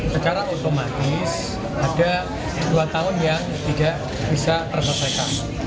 secara otomatis ada dua tahun yang tidak bisa terselesaikan